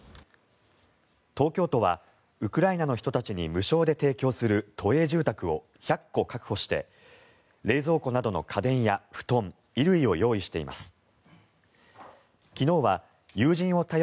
東京都はウクライナの人たちに無償で提供する都営住宅を１００戸確保して冷蔵庫などの家電や布団衣類を用意しています。